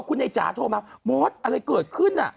คุณใหญ่จ๋าโทรมามศอะไรเกิดขึ้นน่ะ